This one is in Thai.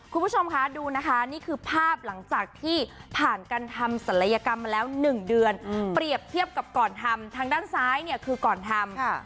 คุณผู้ชมคะดูนะคะนี่คือภาพหลังจากที่ผ่านการทำศัลยกรรมมาแล้ว๑เดือนเปรียบเทียบกับก่อนทำทางด้านซ้ายเนี่ยคือก่อนทำ